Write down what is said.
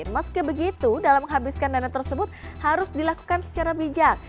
meski begitu dalam menghabiskan dana tersebut harus dilakukan secara bijak